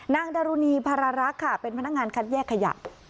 ดารุณีภารรักษ์ค่ะเป็นพนักงานคัดแยกขยะ